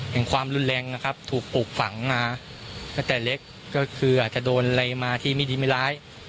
ความรุนแรงนะครับถูกปลูกฝังมาตั้งแต่เล็กก็คืออาจจะโดนอะไรมาที่ไม่ดีไม่ร้าย